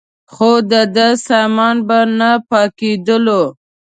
خو دده سامان به نه پاکېدلو.